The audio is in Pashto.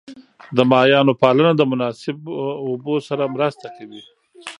د ماهیانو پالنه د مناسب اوبو سره مرسته کوي.